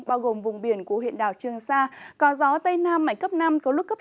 bao gồm vùng biển của huyện đảo trương sa có gió tây nam mạnh cấp năm có lúc cấp sáu